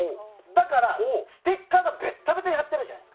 だから、ステッカーがベタベタに貼ってあるじゃない。